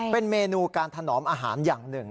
เป็นเมนูการถนอมอาหารอย่างหนึ่ง